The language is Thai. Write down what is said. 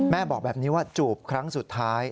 บอกแบบนี้ว่าจูบครั้งสุดท้าย